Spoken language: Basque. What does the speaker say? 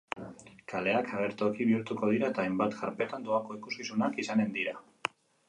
Kaleak agertoki bihurtuko dira eta hainbat karpetan doako ikuskizunak izanen dira.